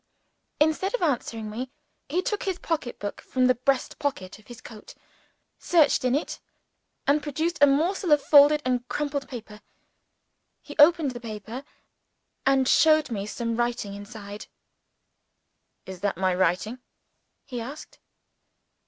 Instead of answering me, he took his pocket book from the breast pocket of his coat searched in it and produced a morsel of folded and crumpled paper. He opened the paper, and showed me some writing inside. "Is that my writing?" he asked.